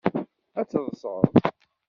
Ad teḍṣeḍ.